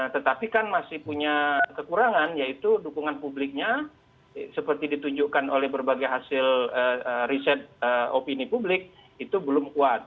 tetapi kan masih punya kekurangan yaitu dukungan publiknya seperti ditunjukkan oleh berbagai hasil riset opini publik itu belum kuat